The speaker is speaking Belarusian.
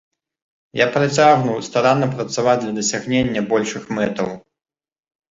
Я працягну старанна працаваць для дасягнення большых мэтаў.